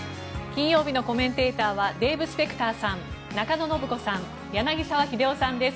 金曜日のコメンテーターはデーブ・スペクターさん中野信子さん、柳澤秀夫さんです